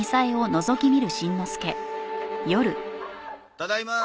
ただいま。